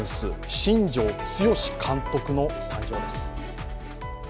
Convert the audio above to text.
新庄剛志監督の誕生です。